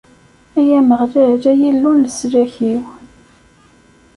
Ay Ameɣlal, ay Illu n leslak-iw!